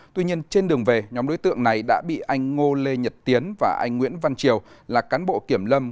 tuy nhiên trên đường về nhóm đối tượng này đã bị anh ngô lê nhật tiến và anh nguyễn văn triều là cán bộ kiểm lâm